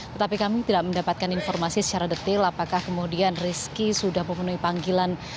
tetapi kami tidak mendapatkan informasi secara detail apakah kemudian rizky sudah memenuhi panggilan